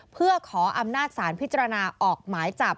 เพื่อขออำนาจสารพิจารณาออกหมายจับ